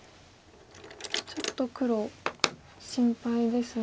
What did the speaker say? ちょっと黒心配ですが。